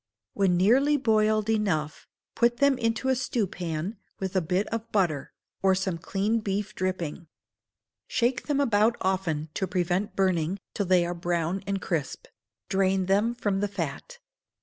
When nearly boiled enough, put them into a stewpan with a bit of butter, or some clean beef dripping; shake them about often, to prevent burning, till they are brown and crisp; drain them from the fat.